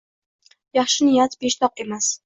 Yaxshi niyat peshtoq emas